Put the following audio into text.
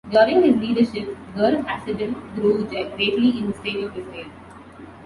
During his leadership, Ger Hasidim grew greatly in the State of Israel.